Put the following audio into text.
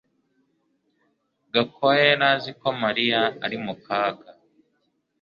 Gakwaya yari azi ko Mariya ari mu kaga